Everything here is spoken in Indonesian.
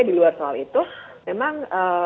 di luar soal itu memang